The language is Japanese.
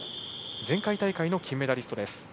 前回大会の金メダリストです。